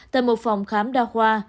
tại một phòng khám đa khoa